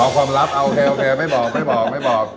ความลับโอเคไม่บอก